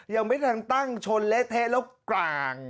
ยังไม่ทันตั้งชนเละเทะแล้วกลาง